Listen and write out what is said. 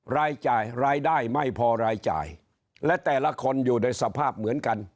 รายจ่ายรายได้ไม่พอรายจ่ายและแต่ละคนอยู่ในสภาพเหมือนกัน